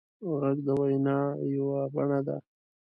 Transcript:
غږ د وینا یوه بڼه ده